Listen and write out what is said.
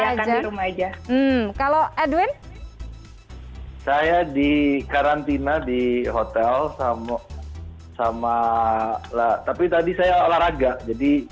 aja kalau edwin saya di karantina di hotel sama sama lah tapi tadi saya olahraga jadi